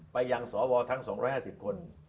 ไปยังสวทั้ง๒๕๐คน